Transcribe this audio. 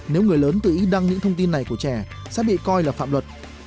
nếu người lớn tự ý đăng những thông tin này của trẻ sẽ bị coi là phạm luật